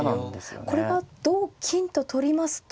これは同金と取りますと。